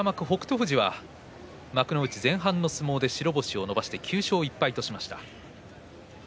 富士は幕内前半の相撲で白星を伸ばして９勝１敗としました。